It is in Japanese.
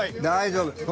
大丈夫。